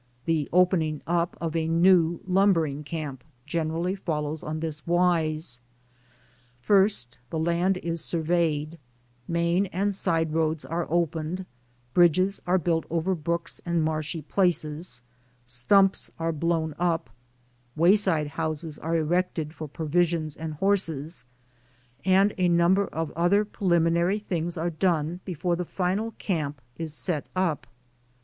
The opening up of a new lumbering camp generally follows on this wise: First, the land is surveyed; main and side roads are opened; bridges arc built over brooks and marshy places; stumps are blown up; wayside houses are erected for pro visions and horses, and a number of other prelimi nary things are done before the final camp is set up.